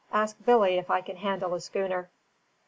Ask Billy if I can handle a schooner."